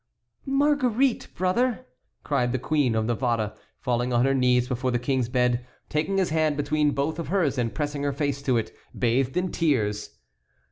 "Marguerite, brother!" cried the Queen of Navarre, falling on her knees before the King's bed, taking his hand between both of hers, and pressing her face to it, bathed in tears.